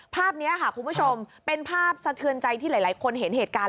ภาพนี้ค่ะคุณผู้ชมเป็นภาพสะเทือนใจที่หลายคนเห็นเหตุการณ์